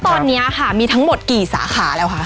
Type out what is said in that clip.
ตอนนี้ค่ะมีทั้งหมดกี่สาขาแล้วคะ